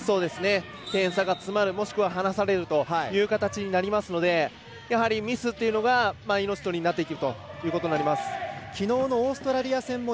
点差が詰まるもしくは離されるということになりますので、やはりミスというのが命取りになってくということになります。